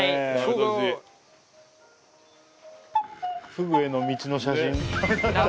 フグへの道の写真。